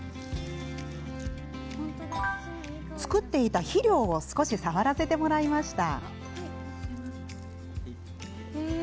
作っていた肥料を少し触らせてもらいました。